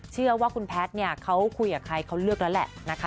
เชื่อว่าคุณแพทย์เขาคุยกับใครเค้าเลือกแล้วแหละ